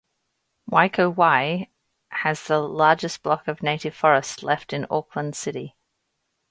Waikowhai has the largest block of native forest left in Auckland City.